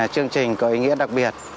chương trình có ý nghĩa đặc biệt